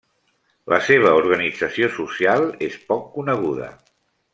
La seva organització social és poc coneguda.